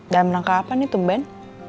dalam rangka apa nih tuh main